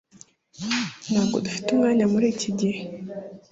Ntabwo dufite umwanya muri iki gihe.